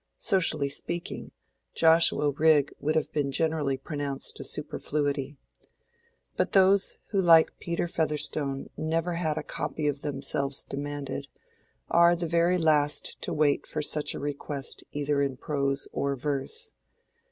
Socially speaking, Joshua Rigg would have been generally pronounced a superfluity. But those who like Peter Featherstone never had a copy of themselves demanded, are the very last to wait for such a request either in prose or verse.